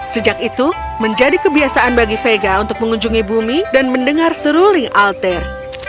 sejak itu menjadi kebiasaan bagi vega untuk mengunjungi bumi dan mendengar seruling alter